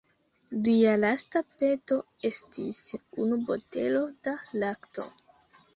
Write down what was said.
Lia lasta peto estis unu botelo da lakto.